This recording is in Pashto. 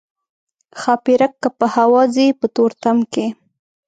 ښاپیرک که په هوا ځي په تورتم کې.